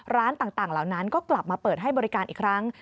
ร้านต่างเหล่านั้นก็กลับมาเปิดให้บริการอีกครั้ง